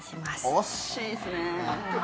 惜しいですねえ。